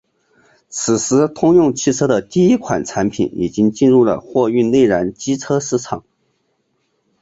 此时通用汽车的第一款产品已经进入了货运内燃机车市场。